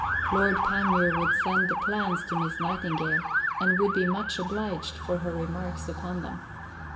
Lord Panmure would send the plans to Miss Nightingale, and would be much obliged for her remarks upon them.